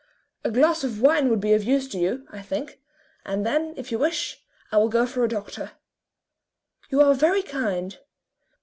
"A glass of wine would be of use to you, I think, and then, if you wish, I will go for a doctor." "You are very kind.